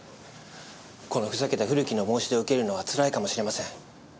このふざけた古木の申し出を受けるのはつらいかもしれません。